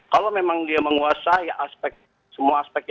kalau memang dia menguasai aspek semua aspek